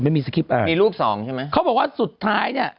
ไม่มีสคริปอะไรมีรูปสองใช่ไหมเขาบอกว่าสุดท้ายเนี้ย